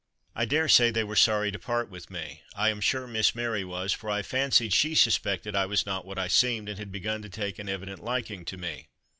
I dare say they were sorry to part with me. I am sure Miss Mary was, for I fancied she suspected I was not what I seemed, and had begun to take an evident liking to me.